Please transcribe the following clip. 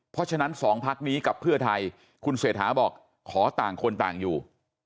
เพราะฉะนั้น๒พักนี้กับเพื่อไทยคุณเศรษฐาบอกขอต่างคนต่างอยู่